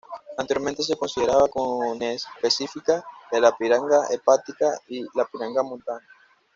Anteriormente se consideraba conespecífica de la piranga hepática y la piranga montana.